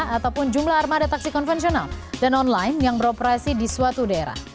ataupun jumlah armada taksi konvensional dan online yang beroperasi di suatu daerah